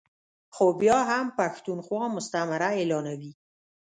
خو بیا هم پښتونخوا مستعمره اعلانوي ا